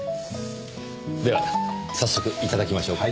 では早速いただきましょうか。